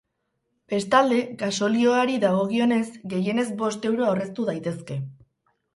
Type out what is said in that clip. Bestalde, gasolioari dagokionez, gehienez bost euro aurreztu daitezke.